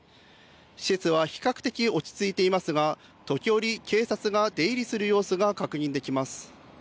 施設は比較的落ち着いていますが時折、警察が出入りする様子が確認できます。